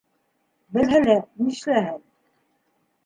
Белһә лә, нишләһен.